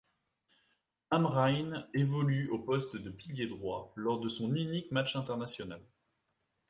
Amrhein évolue au poste de pilier droit, lors de son unique match international.